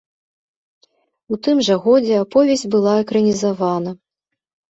У тым жа годзе аповесць была экранізавана.